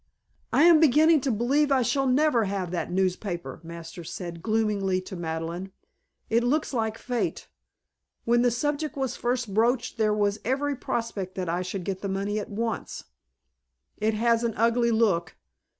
"I am beginning to believe I never shall have that newspaper," Masters said gloomily to Madeleine. "It looks like Fate. When the subject was first broached there was every prospect that I should get the money at once. It has an ugly look.